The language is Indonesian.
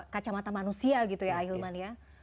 kacamata manusia gitu ya ahilman ya